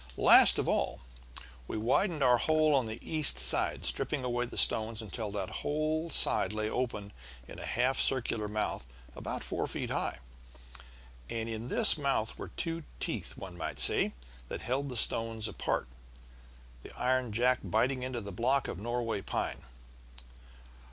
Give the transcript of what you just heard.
"Last of all, we widened our hole on the east side, stripping away stones until that whole side lay open in a half circular mouth about four feet high. And in this mouth were two teeth, one might say, that held the stone jaws apart, the iron jack biting into the block of Norway pine.